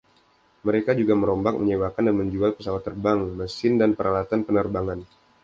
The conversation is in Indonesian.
Mereka juga merombak, menyewakan dan menjual pesawat terbang, mesin dan peralatan penerbangan.